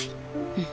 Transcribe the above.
うん。